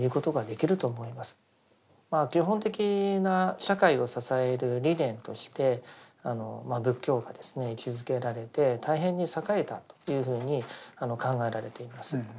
基本的な社会を支える理念として仏教が位置づけられて大変に栄えたというふうに考えられています。